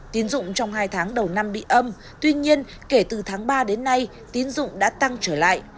tiến dụng trong hai tháng đầu năm bị âm tuy nhiên kể từ tháng ba đến nay tín dụng đã tăng trở lại